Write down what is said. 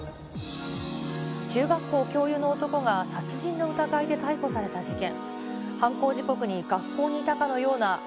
中学校教諭の男が殺人の疑いで逮捕された事件。